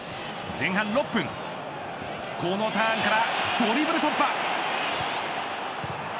前半６分このターンからドリブル突破。